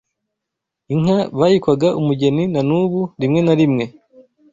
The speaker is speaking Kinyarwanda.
Inka bayikwaga umugeni nanubu rimwe na rimwe